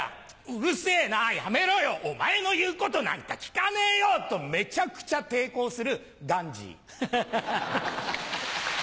うるせぇなやめろよお前の言うことなんか聞かねえよとめちゃくちゃ抵抗するガンジー。